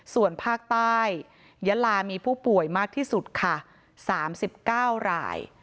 ส่วนภาคใต้ยะลามีผู้ป่วยมากที่สุดค่ะ๓๙ราย